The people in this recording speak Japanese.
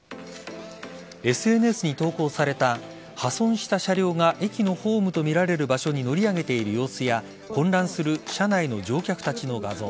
ＳＮＳに投稿された破損した車両が駅のホームとみられる場所に乗り上げている様子や混乱する車内の乗客たちの画像。